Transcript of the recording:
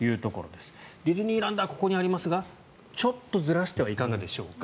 ディズニーランドはここにありますがちょっとずらしてはいかがでしょうか。